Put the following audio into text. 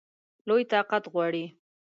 لوی طاقت غواړي.